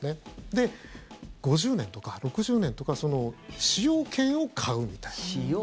で、５０年とか６０年とか使用権を買うみたいな。